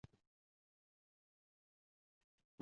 Husayin yana javob bermadi. Fotimaxonim hayron bo'ldi.